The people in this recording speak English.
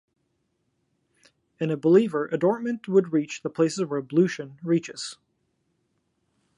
In a believer adornment would reach the places where ablution reaches.